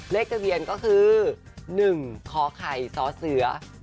เลขทะเบียนก็คือ๑คไขซเส๘๓๕๙